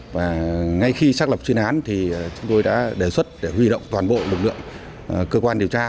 và ngay khi xác lập chuyên án thì chúng tôi đã đề xuất để huy động toàn bộ lực lượng cơ quan điều tra